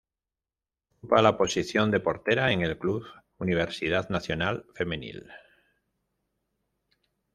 Ocupa la posición de portera en el Club Universidad Nacional Femenil.